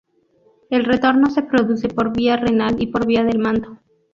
El retorno se produce por vía renal y por vía del manto.